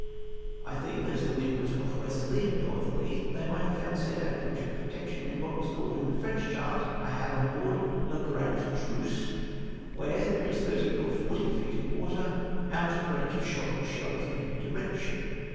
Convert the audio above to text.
—" I think as the wind was north westerly and nortlierly, they might liave found safe an chorage and protection in what is called in the French chart I had on board " Le Grand Trousse'' (see Chart A), tvhere there is thirty or forty feet of water out of range of shot OR SHELLS IN ANY DIRECTION."